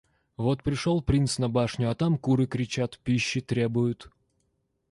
Вот пришёл принц на башню, а там куры кричат, пищи требуют.